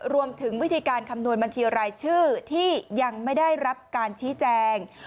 รวมถึงวิธีการคำนวณบัญชีรายชื่อที่ยังไม่ได้รับการชี้แจง